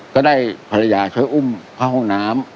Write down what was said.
ก็ได้ภรรยาช่วยอุ้มเข้าห้องน้ำ